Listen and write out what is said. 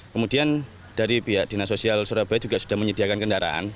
kemudian dari pihak dinas sosial surabaya juga sudah menyediakan kendaraan